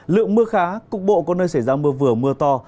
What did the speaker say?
lượng mưa khá cục bộ có nơi xảy ra mưa vừa mưa to